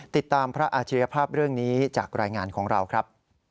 ติดตามพระอาชิริยภาพเรื่องนี้จากรายงานของเราครับ